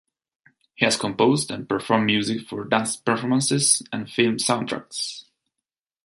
He has composed and performed music for dance performances and film soundtracks.